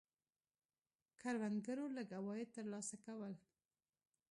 کروندګرو لږ عواید ترلاسه کول.